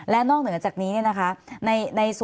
และนอกเหนือจากนี้เนี่ยนะคะ